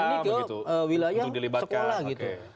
tni ke wilayah sekolah gitu